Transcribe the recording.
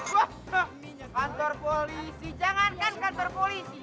wah kantor polisi jangan kan kantor polisi